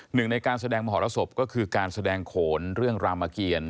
หนึ่งในการแสดงมหรสบก็คือการแสดงโขนเรื่องรามเกียร